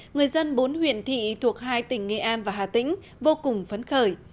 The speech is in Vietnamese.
người dân bốn huyện thị thuộc hai tỉnh nghệ an và hà tĩnh vô cùng phấn khởi